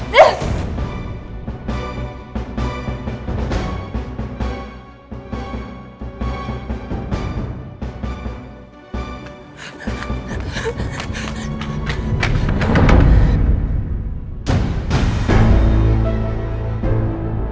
saya gak mau